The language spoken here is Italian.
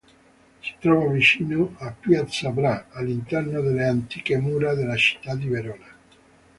Si trova vicino a Piazza Bra, all'interno delle antiche mura della città di Verona.